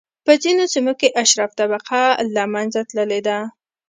په ځینو سیمو کې اشراف طبقه له منځه تللې ده.